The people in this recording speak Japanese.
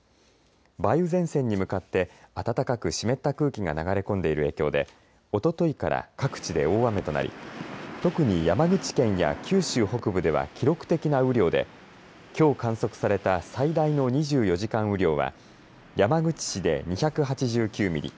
梅雨前線に向かって暖かく湿った空気が流れ込んでいる影響でおとといから各地で大雨となり特に山口県や九州北部では記録的な雨量できょう観測された最大の２４時間雨量は山口市で２８９ミリ